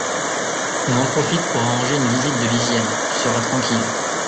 On en profite pour arranger une visite de l’hygiène, tu seras tranquille